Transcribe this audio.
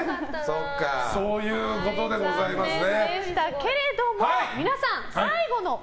そういうことでございますね。